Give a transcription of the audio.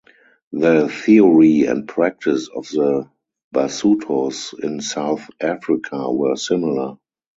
The theory and practice of the Basutos in South Africa were similar.